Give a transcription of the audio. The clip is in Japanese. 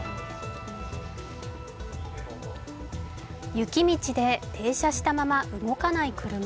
雪道で停車したまま動かない車。